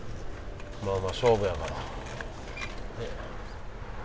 まあまあ勝負やから。